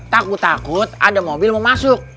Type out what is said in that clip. takut takut ada mobil mau masuk